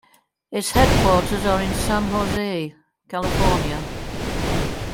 Its headquarters are in San Jose, California.